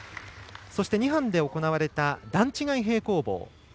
そして２班で行われた段違い平行棒。